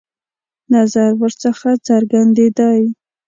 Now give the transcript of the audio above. نظر ورڅخه څرګندېدی.